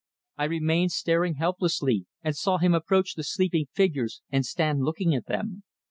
I remained staring helplessly, and saw him approach the sleeping figures, and stand looking at them.